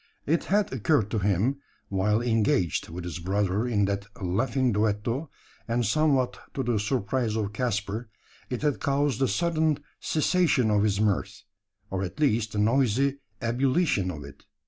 It had occurred to him while engaged with his brother in that laughing duetto and somewhat to the surprise of Caspar, it had caused a sudden cessation of his mirth, or at least the noisy ebullition of it.